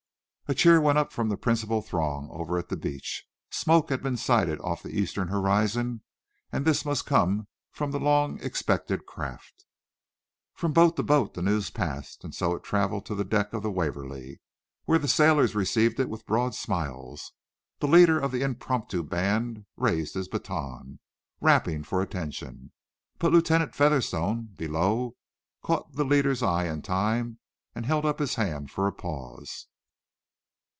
A cheer went up from the principal throng over at the beach. Smoke had been sighted off on the eastern horizon, and this must come from the long expected craft. From boat to boat the news passed, and so it traveled to the deck of the "Waverly," where the sailors received it with broad smiles. The leader of the impromptu band raised his baton, rapping for attention. But Lieutenant Featherstone, below, caught the leader's eye in time and held up his hand for a pause.